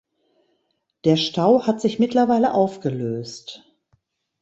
Der Stau hat sich mittlerweile aufgelöst.